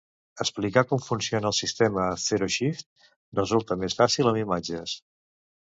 Explicar com funciona el sistema Zeroshift resulta més fàcil amb imatges.